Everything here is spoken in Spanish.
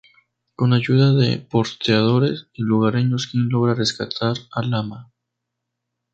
Con la ayuda de porteadores y lugareños, "Kim" logra rescatar al lama.